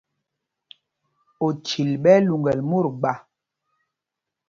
Ochil ɓɛ́ ɛ́ lyuŋgɛl mǒt gba.